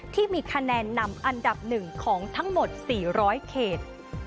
ที่มีคะแนนนำอันดับ๑ของทั้งหมด๔๐๐เขต